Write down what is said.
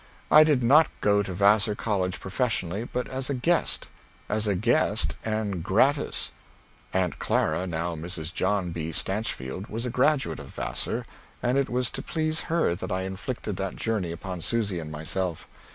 I did not go to Vassar College professionally, but as a guest as a guest, and gratis. Aunt Clara (now Mrs. John B. Stanchfield) was a graduate of Vassar and it was to please her that I inflicted that journey upon Susy and myself.